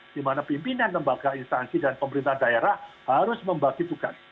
di mana pimpinan lembaga instansi dan pemerintah daerah harus membagi tugas